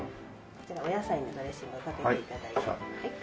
こちらお野菜にドレッシングをかけて頂いて。